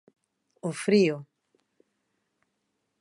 O frío.